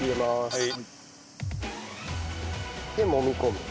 はい。